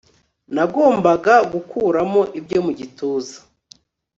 nagombaga gukuramo ibyo mu gituza